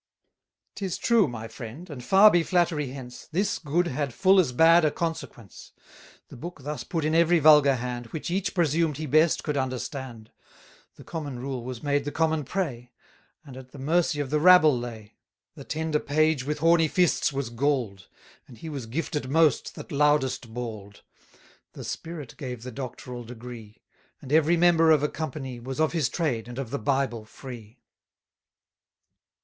'Tis true, my friend, (and far be flattery hence), This good had full as bad a consequence: The Book thus put in every vulgar hand, 400 Which each presumed he best could understand, The common rule was made the common prey; And at the mercy of the rabble lay. The tender page with horny fists was gall'd; And he was gifted most that loudest bawl'd. The spirit gave the doctoral degree: And every member of a company Was of his trade, and of the Bible free.